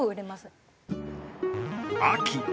秋。